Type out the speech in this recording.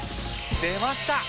出ました！